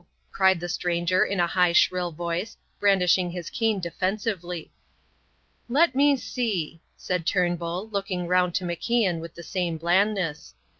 cried the stranger in a high shrill voice, brandishing his cane defensively. "Let me see," said Turnbull, looking round to MacIan with the same blandness.